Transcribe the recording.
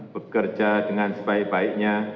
bekerja dengan sebaik baiknya